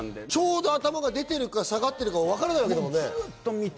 頭が出てるか下がってるか、わからないわけだもんね。